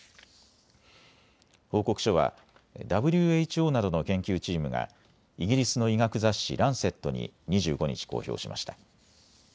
報告書はＷＨＯなどの研究チームがイギリスの医学雑誌、ランセットに２５日公表しました。